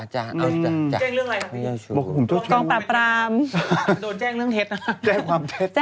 เจ้งความเทศ